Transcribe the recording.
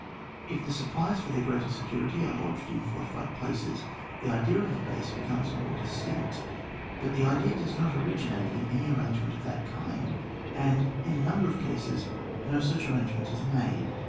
If the supplies for their greater securiiy are lodged in fortified places, the idea of a base becomes more distinct; but the idea does not originate in any arrange ment of that kind, and in a number of cases no such arrangement is made.